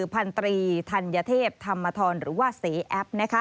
พันธรีธัญเทพธรรมธรหรือว่าเสแอป